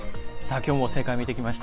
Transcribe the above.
きょうも世界を見ていきました。